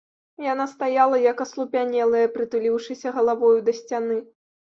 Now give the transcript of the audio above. Яна стаяла, як аслупянелая, прытуліўшыся галавою да сцяны.